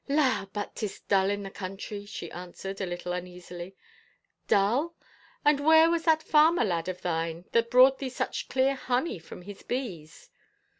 " La, but 'tis dull in the country," she answered, a little tmeasily. " Dull ? And where was that farmer lad of thine that brought thee such clear honey from his bees